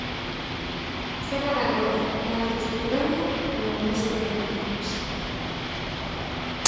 Serra da Groba e Altos de Toroña, Noroeste de Valdeorras.